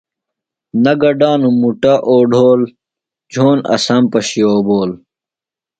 نہ گڈانوۡ مُٹ اوڈھول، جھونہ اسام پشیۡ اوبول